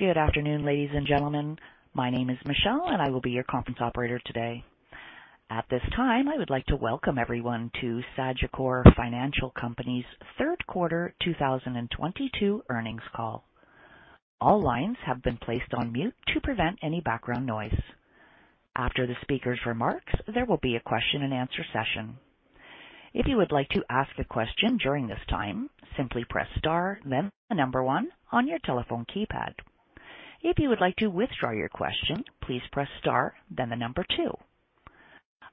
Good afternoon, ladies and gentlemen. My name is Michelle, and I will be your conference operator today. At this time, I would like to welcome everyone to Sagicor Financial Company's third quarter 2022 earnings call. All lines have been placed on mute to prevent any background noise. After the speaker's remarks, there will be a question-and-answer session. If you would like to ask a question during this time, simply press star then the number one on your telephone keypad. If you would like to withdraw your question, please press star then the number two.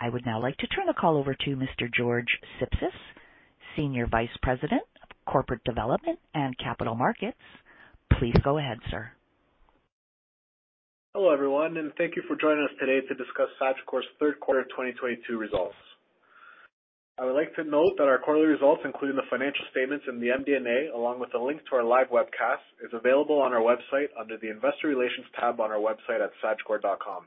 I would now like to turn the call over to Mr. George Sipsis, Executive Vice President of Corporate Development and Capital Markets. Please go ahead, sir. Hello, everyone, and thank you for joining us today to discuss Sagicor's third quarter of 2022 results. I would like to note that our quarterly results, including the financial statements and the MD&A, along with a link to our live webcast, is available on our website under the Investor Relations tab on our website at sagicor.com.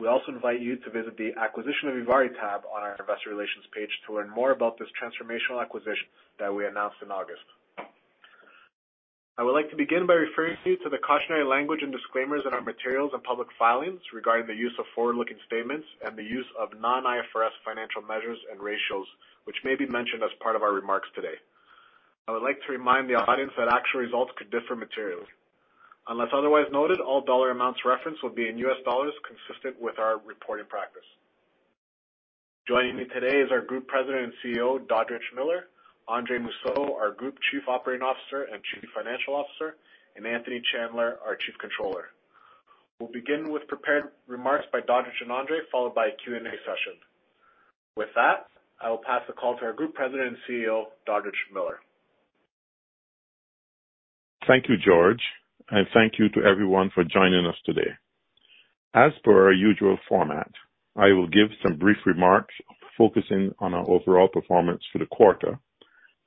We also invite you to visit the acquisition of ivari tab on our investor relations page to learn more about this transformational acquisition that we announced in August. I would like to begin by referring you to the cautionary language and disclaimers in our materials and public filings regarding the use of forward-looking statements and the use of non-IFRS financial measures and ratios, which may be mentioned as part of our remarks today. I would like to remind the audience that actual results could differ materially. Unless otherwise noted, all dollar amounts referenced will be in US dollars, consistent with our reporting practice. Joining me today is our Group President and CEO, Dodridge Miller, Andre Mousseau, our Group Chief Operating Officer and Chief Financial Officer, and Anthony Chandler, our Chief Controller. We'll begin with prepared remarks by Dodridge and Andre, followed by a Q&A session. With that, I will pass the call to our Group President and CEO, Dodridge Miller. Thank you, George, and thank you to everyone for joining us today. As per our usual format, I will give some brief remarks focusing on our overall performance for the quarter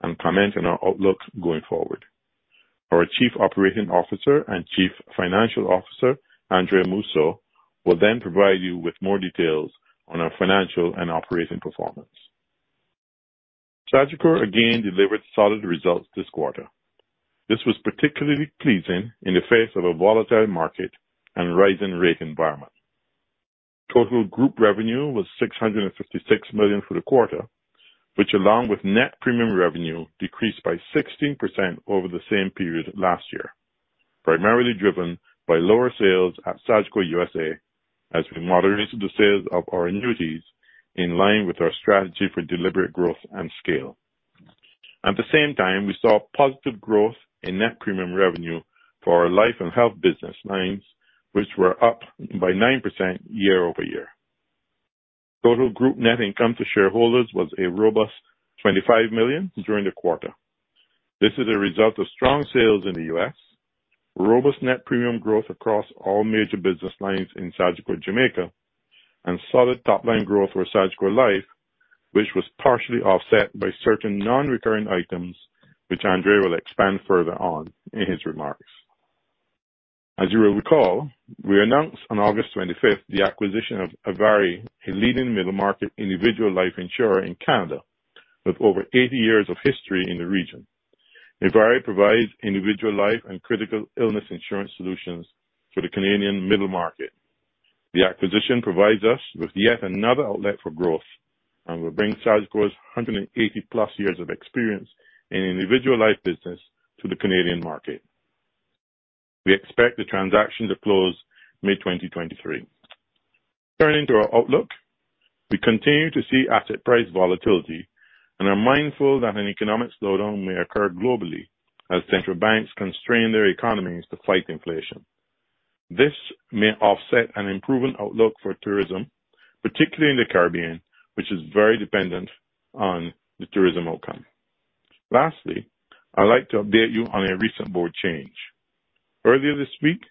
and comment on our outlook going forward. Our Chief Operating Officer and Chief Financial Officer, Andre Mousseau, will then provide you with more details on our financial and operating performance. Sagicor again delivered solid results this quarter. This was particularly pleasing in the face of a volatile market and rising rate environment. Total group revenue was $656 million for the quarter, which along with net premium revenue, decreased by 16% over the same period last year, primarily driven by lower sales at Sagicor USA, as we moderated the sales of our annuities in line with our strategy for deliberate growth and scale. At the same time, we saw positive growth in net premium revenue for our life and health business lines, which were up by 9% year-over-year. Total group net income to shareholders was a robust $25 million during the quarter. This is a result of strong sales in the U.S., robust net premium growth across all major business lines in Sagicor Jamaica, and solid top-line growth for Sagicor Life, which was partially offset by certain non-recurring items, which Andre will expand further on in his remarks. As you will recall, we announced on August twenty-fifth the acquisition of ivari, a leading middle market individual life insurer in Canada with over 80 years of history in the region. ivari provides individual life and critical illness insurance solutions to the Canadian middle market. The acquisition provides us with yet another outlet for growth and will bring Sagicor's 180+ years of experience in individual life business to the Canadian market. We expect the transaction to close May 2023. Turning to our outlook, we continue to see asset price volatility and are mindful that an economic slowdown may occur globally as central banks constrain their economies to fight inflation. This may offset an improving outlook for tourism, particularly in the Caribbean, which is very dependent on the tourism outcome. Lastly, I'd like to update you on a recent board change. Earlier this week,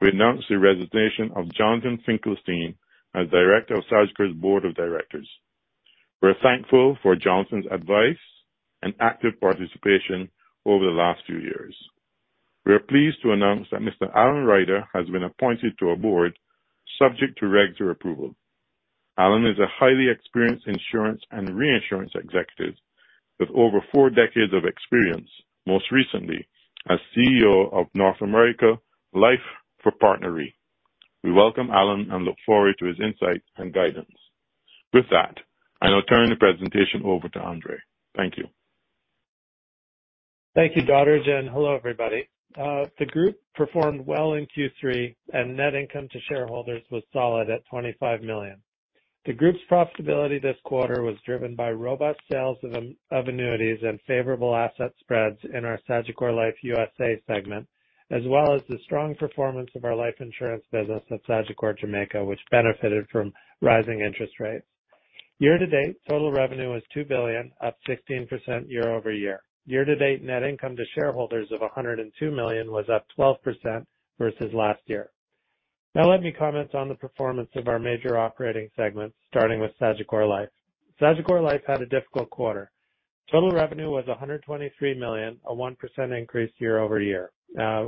we announced the resignation of Jonathan Finkelstein as Director of Sagicor's board of directors. We're thankful for Jonathan's advice and active participation over the last few years. We are pleased to announce that Mr. Alan Ryder has been appointed to our board subject to regulatory approval. Alan is a highly experienced insurance and reinsurance executive with over four decades of experience, most recently as CEO of North American Life for PartnerRe. We welcome Alan and look forward to his insight and guidance. With that, I will turn the presentation over to Andre. Thank you. Thank you, Dodridge, and hello, everybody. The group performed well in Q3, and net income to shareholders was solid at $25 million. The group's profitability this quarter was driven by robust sales of annuities and favorable asset spreads in our Sagicor Life USA segment, as well as the strong performance of our life insurance business at Sagicor Jamaica, which benefited from rising interest rates. Year to date, total revenue was $2 billion, up 16% year-over-year. Year to date, net income to shareholders of $102 million was up 12% versus last year. Now let me comment on the performance of our major operating segments, starting with Sagicor Life. Sagicor Life had a difficult quarter. Total revenue was $123 million, a 1% increase year-over-year.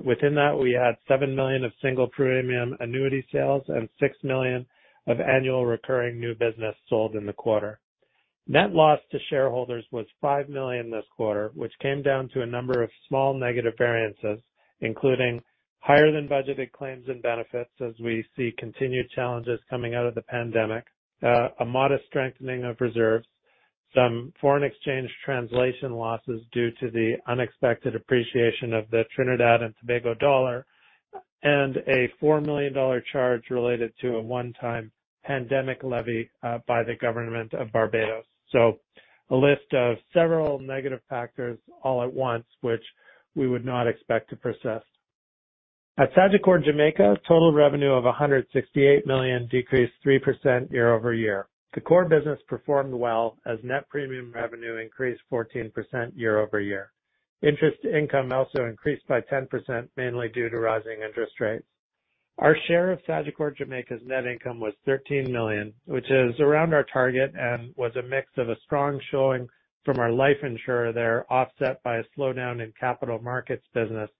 Within that, we had $7 million of single premium annuity sales and $6 million of annual recurring new business sold in the quarter. Net loss to shareholders was $5 million this quarter, which came down to a number of small negative variances, including higher than budgeted claims and benefits as we see continued challenges coming out of the pandemic, a modest strengthening of reserves, some foreign exchange translation losses due to the unexpected appreciation of the Trinidad and Tobago dollar, and a $4 million charge related to a one-time pandemic levy by the government of Barbados. A list of several negative factors all at once, which we would not expect to persist. At Sagicor Jamaica, total revenue of $168 million decreased 3% year-over-year. The core business performed well as net premium revenue increased 14% year-over-year. Interest income also increased by 10%, mainly due to rising interest rates. Our share of Sagicor Jamaica's net income was $13 million, which is around our target and was a mix of a strong showing from our life insurer there, offset by a slowdown in capital markets business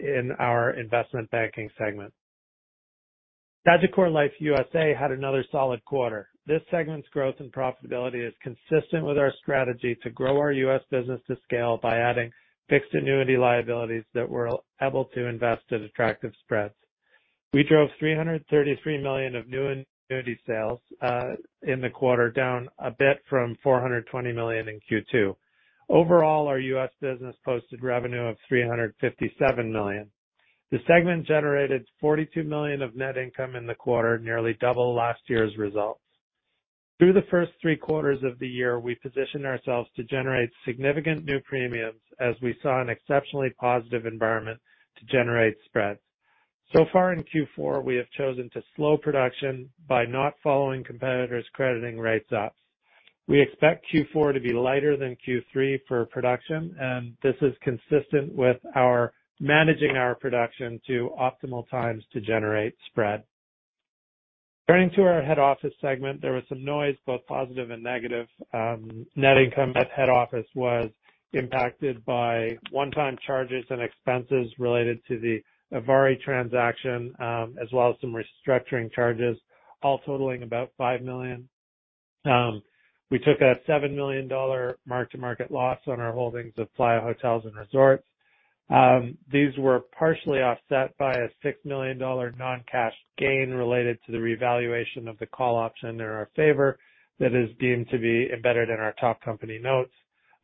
in our investment banking segment. Sagicor Life USA had another solid quarter. This segment's growth and profitability is consistent with our strategy to grow our U.S. business to scale by adding fixed annuity liabilities that we're able to invest at attractive spreads. We drove $333 million of new annuity sales in the quarter, down a bit from $420 million in Q2. Overall, our U.S. business posted revenue of $357 million. The segment generated $42 million of net income in the quarter, nearly double last year's results. Through the first three quarters of the year, we positioned ourselves to generate significant new premiums as we saw an exceptionally positive environment to generate spreads. So far in Q4, we have chosen to slow production by not following competitors crediting rates ups. We expect Q4 to be lighter than Q3 for production, and this is consistent with our managing our production to optimal times to generate spread. Turning to our head office segment, there was some noise, both positive and negative. Net income at head office was impacted by one-time charges and expenses related to the ivari transaction, as well as some restructuring charges, all totaling about $5 million. We took a $7 million mark-to-market loss on our holdings of Playa Hotels & Resorts. These were partially offset by a $6 million non-cash gain related to the revaluation of the call option in our favor that is deemed to be embedded in our TopCo notes,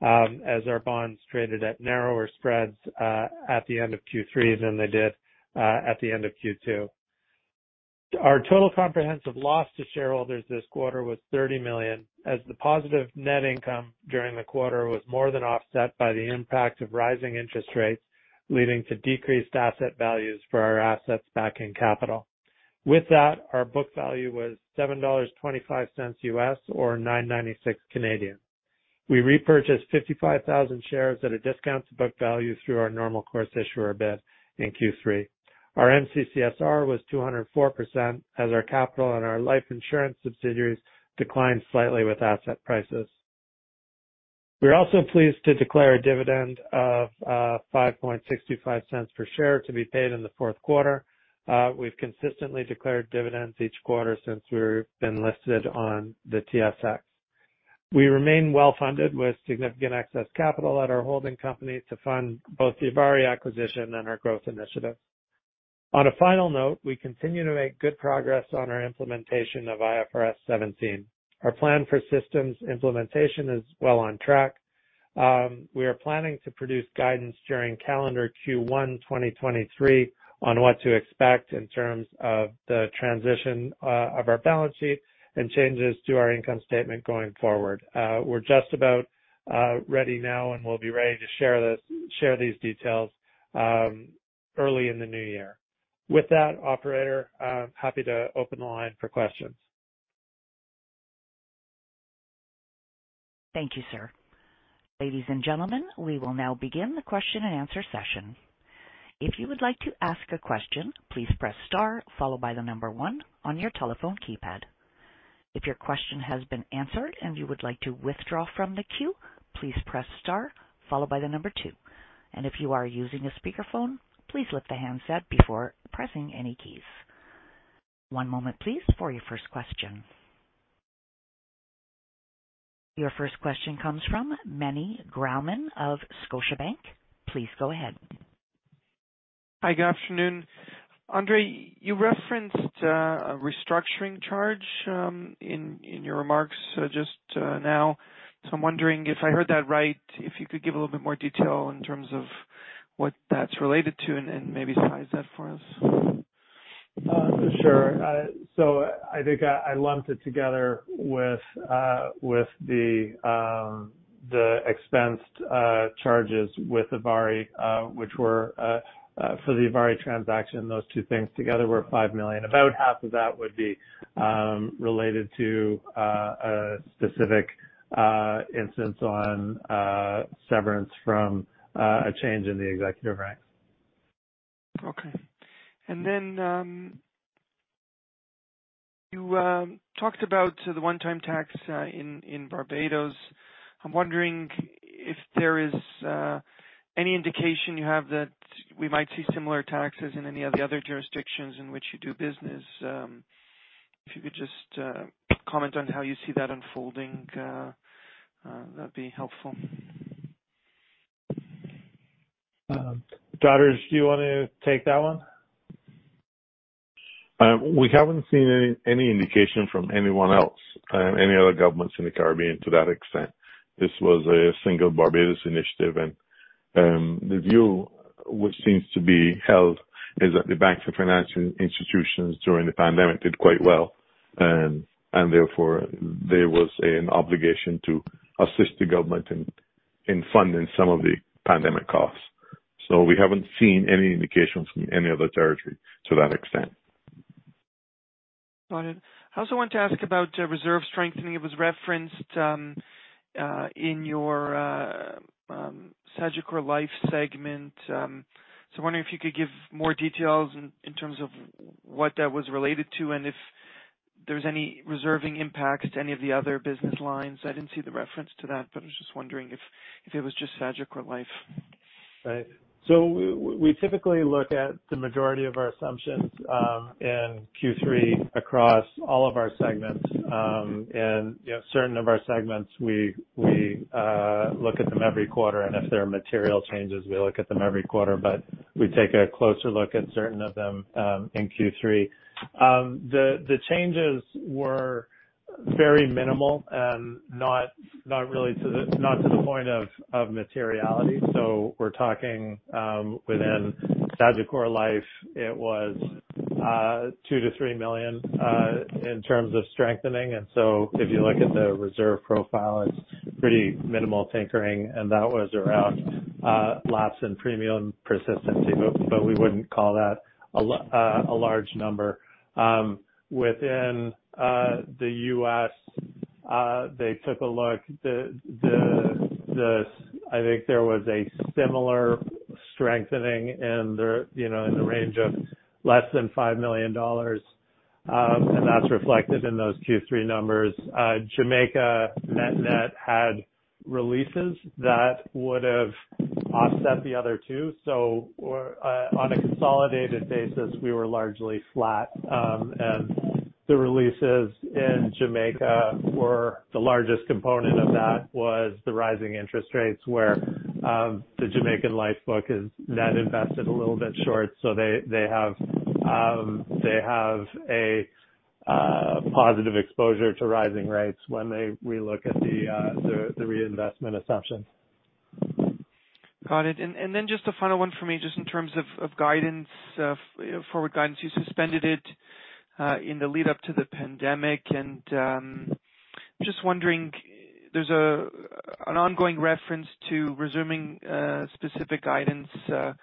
as our bonds traded at narrower spreads, at the end of Q3 than they did, at the end of Q2. Our total comprehensive loss to shareholders this quarter was $30 million, as the positive net income during the quarter was more than offset by the impact of rising interest rates, leading to decreased asset values for our assets backing capital. With that, our book value was $7.25 or 9.96. We repurchased 55,000 shares at a discount to book value through our Normal Course Issuer Bid in Q3. Our MCCSR was 204% as our capital and our life insurance subsidiaries declined slightly with asset prices. We are also pleased to declare a dividend of $0.0565 per share to be paid in the fourth quarter. We've consistently declared dividends each quarter since we've been listed on the TSX. We remain well-funded with significant excess capital at our holding company to fund both the ivari acquisition and our growth initiative. On a final note, we continue to make good progress on our implementation of IFRS 17. Our plan for systems implementation is well on track. We are planning to produce guidance during calendar Q1 2023 on what to expect in terms of the transition of our balance sheet and changes to our income statement going forward. We're just about ready now, and we'll be ready to share these details early in the new year. With that, operator, I'm happy to open the line for questions. Thank you, sir. Ladies and gentlemen, we will now begin the question and answer session. If you would like to ask a question, please press star followed by one on your telephone keypad. If your question has been answered and you would like to withdraw from the queue, please press star followed by two. If you are using a speakerphone, please lift the handset before pressing any keys. One moment please for your first question. Your first question comes from Meny Grauman of Scotiabank. Please go ahead. Hi, good afternoon. Andre, you referenced a restructuring charge in your remarks just now. I'm wondering if I heard that right. If you could give a little bit more detail in terms of what that's related to and maybe size that for us. Sure. So I think I lumped it together with the expensed charges with ivari, which were for the ivari transaction. Those two things together were $5 million. About half of that would be related to a specific instance of severance from a change in the executive ranks. Okay. You talked about the one-time tax in Barbados. I'm wondering if there is any indication you have that we might see similar taxes in any of the other jurisdictions in which you do business. If you could just comment on how you see that unfolding, that'd be helpful. Dodridge, do you wanna take that one? We haven't seen any indication from any other governments in the Caribbean to that extent. This was a single Barbados initiative. The view, which seems to be held, is that the banks and financial institutions during the pandemic did quite well. Therefore, there was an obligation to assist the government in funding some of the pandemic costs. We haven't seen any indications from any other territory to that extent. Got it. I also want to ask about reserve strengthening. It was referenced in your Sagicor Life segment. Wondering if you could give more details in terms of what that was related to and if there's any reserving impacts to any of the other business lines. I didn't see the reference to that, but I was just wondering if it was just Sagicor Life. Right. We typically look at the majority of our assumptions in Q3 across all of our segments. You know, certain of our segments, we look at them every quarter, and if there are material changes, we look at them every quarter, but we take a closer look at certain of them in Q3. The changes were very minimal and not really to the point of materiality. We're talking within Sagicor Life, it was $2-3 million in terms of strengthening. If you look at the reserve profile, it's pretty minimal tinkering, and that was around lapses in premium persistency, but we wouldn't call that a large number. Within the US, they took a look. I think there was a similar strengthening in the, you know, in the range of less than $5 million, and that's reflected in those Q3 numbers. Jamaica net-net had releases that would have offset the other two. On a consolidated basis, we were largely flat. The releases in Jamaica were the largest component of that was the rising interest rates where the Jamaican Life book is net invested a little bit short, so they have a positive exposure to rising rates when they re-look at the reinvestment assumption. Got it. Then just a final one for me, just in terms of guidance, forward guidance. You suspended it in the lead up to the pandemic. Just wondering, there's an ongoing reference to resuming specific guidance in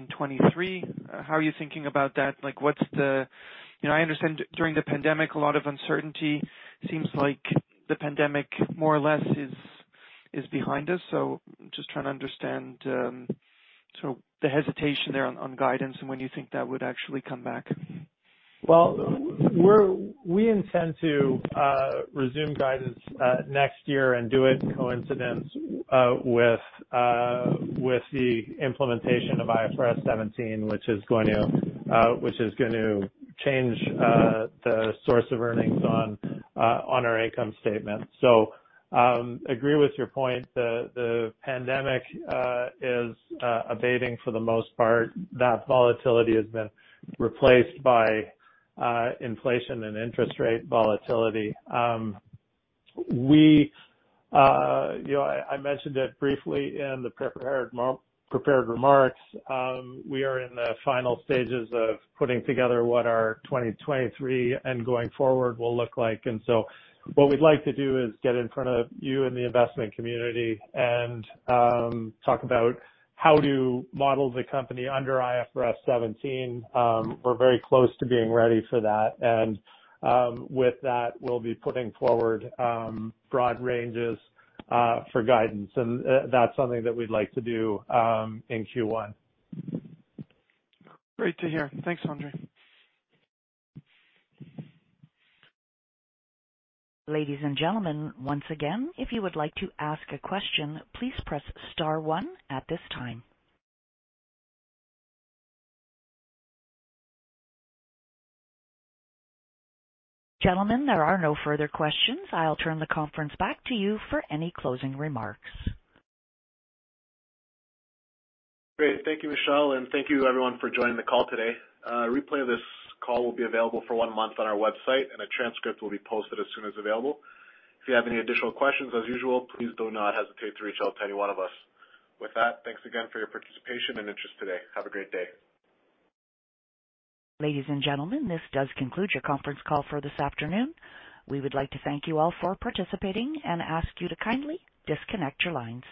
2023. How are you thinking about that? Like, what's the. You know, I understand during the pandemic, a lot of uncertainty. Seems like the pandemic more or less is behind us. Just trying to understand the hesitation there on guidance and when you think that would actually come back. Well, we intend to resume guidance next year and do it coincident with the implementation of IFRS 17, which is going to change the source of earnings on our income statement. Agree with your point. The pandemic is abating for the most part. That volatility has been replaced by inflation and interest rate volatility. You know, I mentioned it briefly in the prepared remarks. We are in the final stages of putting together what our 2023 and going forward will look like. What we'd like to do is get in front of you and the investment community and talk about how to model the company under IFRS 17. We're very close to being ready for that. With that, we'll be putting forward broad ranges for guidance. That's something that we'd like to do in Q1. Great to hear. Thanks, Andre. Ladies and gentlemen, once again, if you would like to ask a question, please press star one at this time. Gentlemen, there are no further questions. I'll turn the conference back to you for any closing remarks. Great. Thank you, Michelle, and thank you everyone for joining the call today. A replay of this call will be available for one month on our website, and a transcript will be posted as soon as available. If you have any additional questions, as usual, please do not hesitate to reach out to any one of us. With that, thanks again for your participation and interest today. Have a great day. Ladies and gentlemen, this does conclude your conference call for this afternoon. We would like to thank you all for participating and ask you to kindly disconnect your lines.